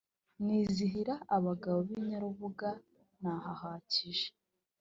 Nizihira abagabo b’I Nyarubuga nahahakije